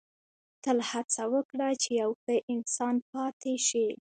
• تل هڅه وکړه چې یو ښه انسان پاتې شې.